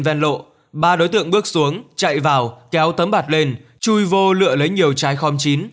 ven lộ ba đối tượng bước xuống chạy vào kéo tấm bạt lên chui vô lựa lấy nhiều trái khon chín